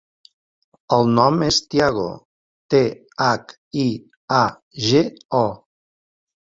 El nom és Thiago: te, hac, i, a, ge, o.